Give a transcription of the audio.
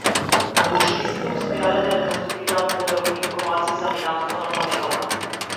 Научниците успеале да реконструираат подробни информации за минатото на планетата.